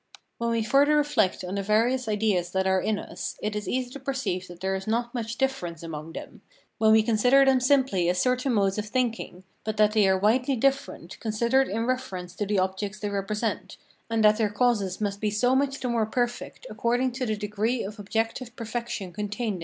When we further reflect on the various ideas that are in us, it is easy to perceive that there is not much difference among them, when we consider them simply as certain modes of thinking, but that they are widely different, considered in reference to the objects they represent; and that their causes must be so much the more perfect according to the degree of objective perfection contained in them.